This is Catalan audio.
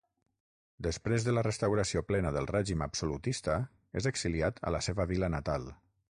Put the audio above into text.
Després de la restauració plena del règim absolutista és exiliat a la seva vila natal.